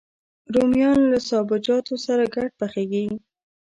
رومیان له سابهجاتو سره ګډ پخېږي